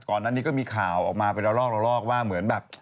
ก่อนนั้นนี่ก็มีข่าวออกมาไปลอกว่าเหมือนแบบ